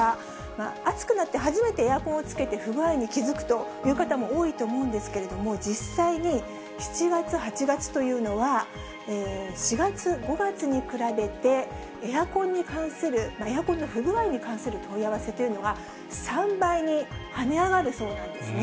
暑くなって初めてエアコンをつけて不具合に気付くという方も多いと思うんですけれども、実際に７月、８月というのは、４月、５月に比べて、エアコンに関する、エアコンの不具合に関する問い合わせというのが、３倍にはね上がるそうなんですね。